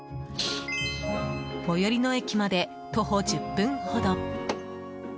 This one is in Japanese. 最寄りの駅まで徒歩１０分ほど。